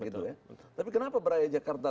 tapi kenapa berada di jakarta